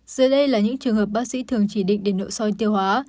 giờ đây là những trường hợp bác sĩ thường chỉ định để nội soi tiêu hóa